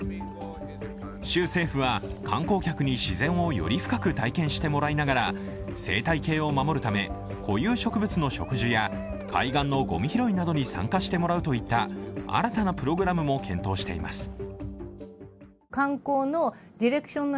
州政府は観光客に自然をより深く体験してもらいながら生態系を守るため固有植物の植樹や海岸のごみ拾いなどに参加してもらうなどといった新たなプログラムも検討しています。